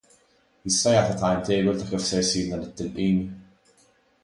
Jista' jagħti timetable ta' kif se jsir dan it-tilqim?